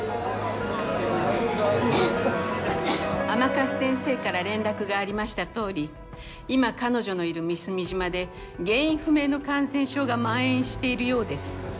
甘春先生から連絡がありましたとおり今彼女のいる美澄島で原因不明の感染症がまん延しているようです。